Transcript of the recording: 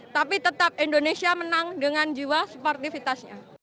tapi tetap indonesia menang dengan jiwa sportivitasnya